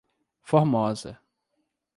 Formosa